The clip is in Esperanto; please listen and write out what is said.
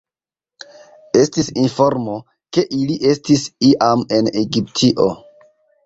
Estis informo, ke ili estis iam en Egiptio.